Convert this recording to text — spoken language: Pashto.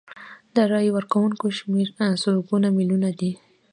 د رایې ورکوونکو شمیر سلګونه میلیونه دی.